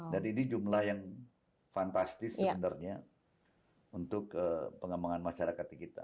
jadi ini jumlah yang fantastis sebenarnya untuk pengembangan masyarakat kita